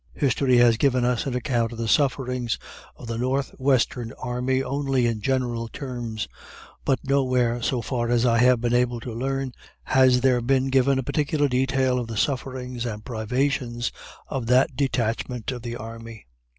History has given us an account of the sufferings of the North Western Army only in general terms, but no where, so far as I have been able to learn, has there been given a particular detail of the sufferings and privations of that detachment of the army.